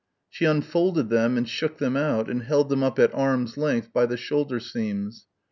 She unfolded them and shook them out and held them up at arms' length by the shoulder seams.